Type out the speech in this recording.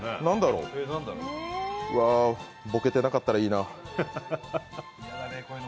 うわ、ボケてなかったらいいな。